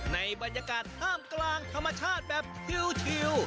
ในบรรยากาศท่ามกลางธรรมชาติแบบชิว